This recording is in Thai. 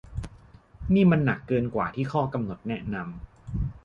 นี่มันหนักเกินกว่าที่ข้อกำหนดแนะนำ